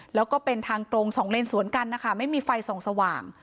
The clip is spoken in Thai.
แล้วก็เป็นทางตรงสองเลนสวนกันนะคะไม่มีไฟส่องสว่าง